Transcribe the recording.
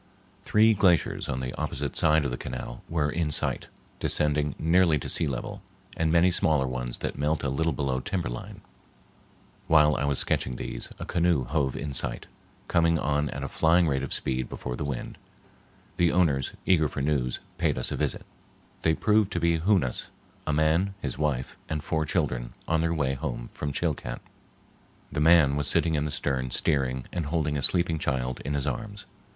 Three glaciers on the opposite side of the canal were in sight, descending nearly to sea level, and many smaller ones that melt a little below timber line. While I was sketching these, a canoe hove in sight, coming on at a flying rate of speed before the wind. The owners, eager for news, paid us a visit. They proved to be Hoonas, a man, his wife, and four children, on their way home from Chilcat. The man was sitting in the stern steering and holding a sleeping child in his arms.